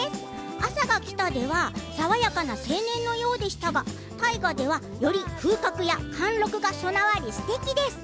「あさが来た」では爽やかな青年のようでしたが大河ではより風格や貫禄が備わりすてきです。